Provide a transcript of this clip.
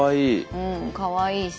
うんかわいいし。